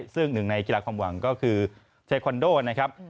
ซึ่งหนึ่งในกีฬาความหวังก็คือเทคอนโดนะครับ